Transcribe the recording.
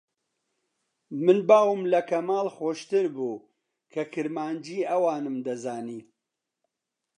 من باوم لە کەمال خۆشتر بوو کە کرمانجیی ئەوانم دەزانی